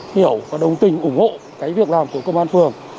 hiểu và đồng tình ủng hộ cái việc làm của công an phường